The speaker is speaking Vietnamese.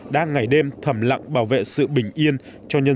đang ngày đêm thầm lặng bảo vệ sự bình yên cho nhân dân